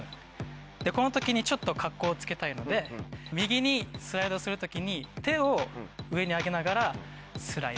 でこの時にちょっとカッコをつけたいので右にスライドする時に手を上に上げながらスライド。